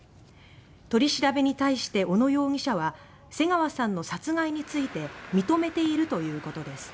取り調べに対して小野容疑者は瀬川さんの殺害について認めているということです。